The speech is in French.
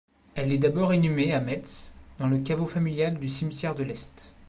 Elle est d'abord inhumée à Metz dans le caveau familial du cimetière de L'Est.